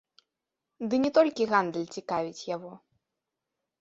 Ды не толькі гандаль цікавіць яго.